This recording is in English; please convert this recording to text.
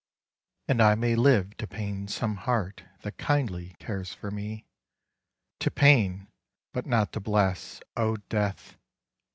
And I may live to pain some heartThat kindly cares for me—To pain, but not to bless. O Death!